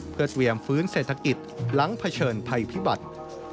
เพื่อเตรียมฟื้นเศรษฐกิจหลังเผชิญภัยพิบัติ